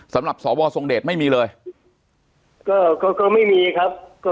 สำหรับสอวสงเด็จไม่มีเลยก็ไม่มีครับ